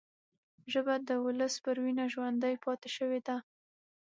ژبه د ولس پر وینه ژوندي پاتې شوې ده